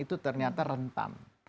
itu ternyata rentan